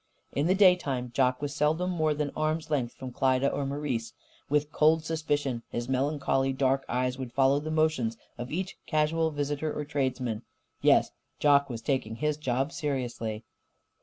In the daytime, Jock was seldom more than arm's length from Klyda or Marise. With cold suspicion his melancholy dark eyes would follow the motions of each casual visitor or tradesman. Yes, Jock was taking his job seriously.